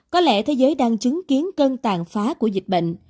có lẽ thế giới đang chứng kiến cơn tàn phá của dịch bệnh